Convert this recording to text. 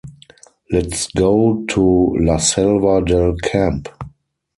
Let's go to la Selva del Camp.